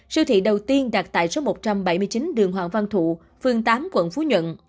siêu thị đầu tiên đặt tại số một trăm bảy mươi chín đường hoàng văn thụ phường tám quận phú nhuận